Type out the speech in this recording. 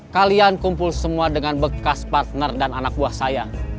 kalian kumpul semua dengan bekas partner dan anak buah saya